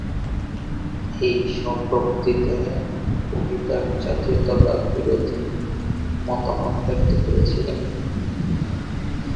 এই সব বক্তৃতায় কবি তাঁর জাতীয়তাবাদ-বিরোধী মতামত ব্যক্ত করেছিলেন।